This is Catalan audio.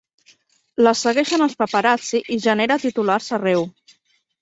La segueixen els paparazzi i genera titulars arreu.